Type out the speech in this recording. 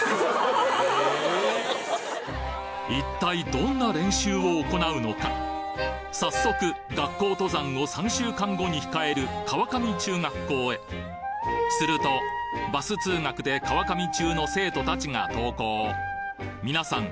一体どんな練習を行うのか早速学校登山を３週間後に控える川上中学校へするとバス通学で川上中の生徒達が登校皆さん